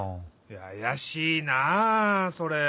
あやしいなあそれ。